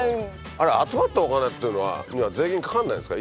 あれ集まったお金っていうのは税金かからないんですか？